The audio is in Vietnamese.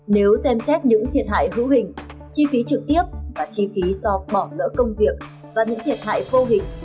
nếu xem xét những thiệt hại hữu hình chi phí trực tiếp và chi phí do bỏ lỡ công việc và những thiệt hại vô hình